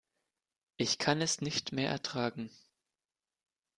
Ich kann es nicht mehr ertragen.